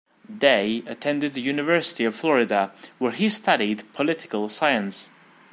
Day attended the University of Florida, where he studied political science.